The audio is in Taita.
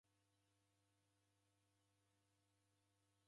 Okunda upwane nao.